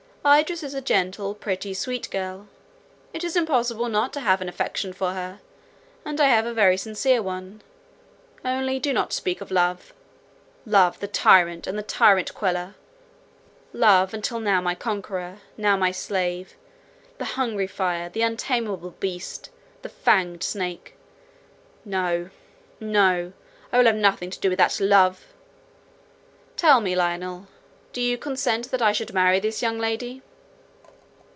Idris is a gentle, pretty, sweet little girl; it is impossible not to have an affection for her, and I have a very sincere one; only do not speak of love —love, the tyrant and the tyrant queller; love, until now my conqueror, now my slave; the hungry fire, the untameable beast, the fanged snake—no—no—I will have nothing to do with that love. Tell me, Lionel, do you consent that I should marry this young lady?"